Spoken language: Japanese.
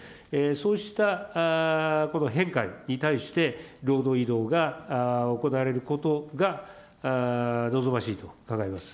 そうしたこの変化に対して、労働移動が行われることが望ましいと考えます。